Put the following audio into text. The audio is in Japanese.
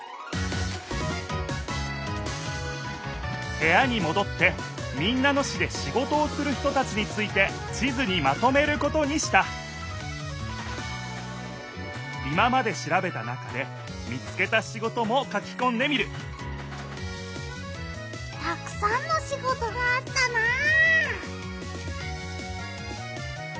へやにもどって民奈野市でシゴトをする人たちについて地図にまとめることにした今までしらべた中で見つけたシゴトも書きこんでみるたくさんのシゴトがあったなあ。